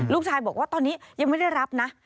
ลูกชายบอกว่าตอนนี้ยังไม่ได้รับนะ